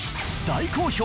大好評！